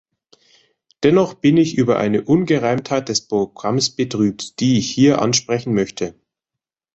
Dennoch bin ich über eine Ungereimtheit des Programms betrübt, die ich hier ansprechen möchte.